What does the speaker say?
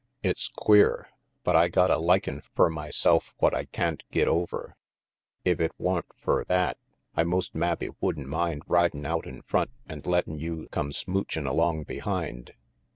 It's queer, but I got a likin' fer myself what I can't get over. If it wa'n't fer that, I most mabbe would 'n mind ridin' out in front an' lettin' you come smoochin' along behind."